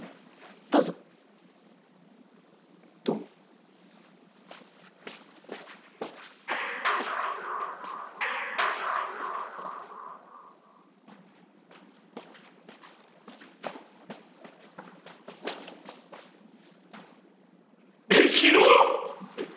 どうぞどうもえっ広っ！